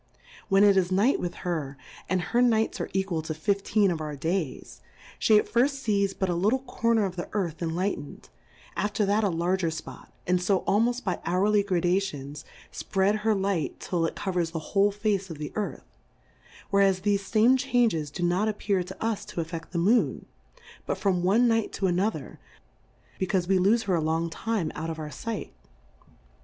When it is Night with her, and her Nights arc equal to fifteen of our Days, fhe at firft fees but a little Corner of the Earth en lightened, after that a larger Spot, and fo almoft by hourly Gradations, fpread her Light till it covers the whole Face of the Earth; whereas thefe fame Changes do not appear to us to affeft the Moon, but from one Night to ano ther, becaufe we lofe her a long time out of our Sight.